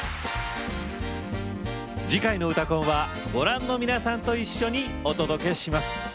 次回の「うたコン」はご覧の皆さんと一緒にお届けします。